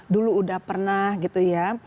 dulu udah pernah gitu ya